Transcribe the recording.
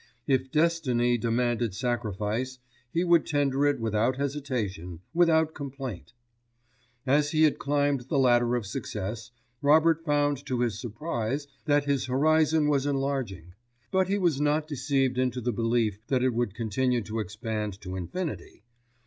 If destiny demanded sacrifice, he would tender it without hesitation, without complaint. As he had climbed the ladder of success, Robert found to his surprise that his horizon was enlarging; but he was not deceived into the belief that it would continue to expand to infinity.